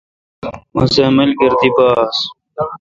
مسہ اؘ ملگر دی پا آس ۔